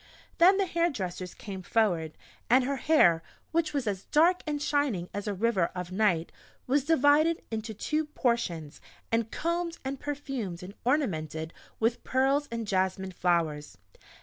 Then the hairdressers came forward; and her hair, which was as dark and shining as a river of night, was divided into two portions and combed, and perfumed, and ornamented with pearls and jasmine flowers.